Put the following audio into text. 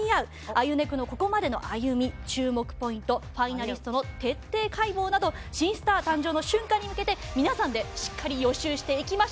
『アユネク』のここまでの歩み注目ポイントファイナリストの徹底解剖など新スター誕生の瞬間に向けて皆さんでしっかり予習していきましょう。